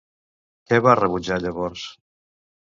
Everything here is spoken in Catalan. Què va rebutjar llavors?